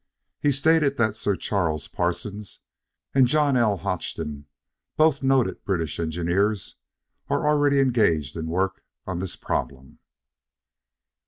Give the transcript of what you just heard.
He stated that Sir Charles Parsons and John L. Hodgson, both noted British engineers, are already engaged in work on this problem.